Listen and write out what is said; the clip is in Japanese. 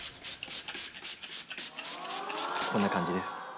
こんな感じです。